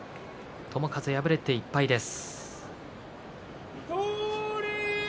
友風、敗れて１敗です。